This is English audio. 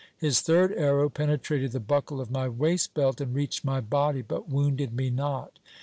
His third arrow penetrated the buckle of my waist belt and reached my body, but wounded me not.